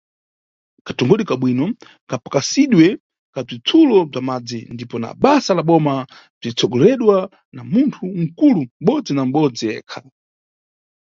Katongedwe ka bwino, kapakasidwe ka bzitsulo bza madzi ndipo na basa la Boma bzimbatsogoleredwa na munthu nkulu mʼbodzi na mʼbodzi ekha.